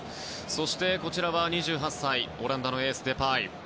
そして、２８歳のオランダのエースデパイ。